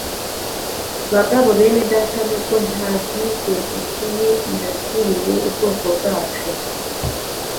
Bagabo bene Data, nubwo ntagize ikibi nagiriye ubwoko bwacu